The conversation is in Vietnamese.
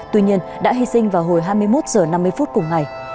tuy nhiên đã hy sinh vào hồi hai mươi một h năm mươi phút cùng ngày